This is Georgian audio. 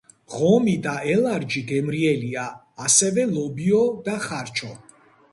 ღომი და ელარჯი გერმრიელია ასევე ლობიო და ხარჩო.